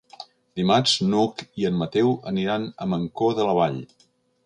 Dimarts n'Hug i en Mateu aniran a Mancor de la Vall.